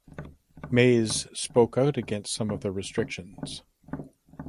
Maes spoke out against some of the restrictions.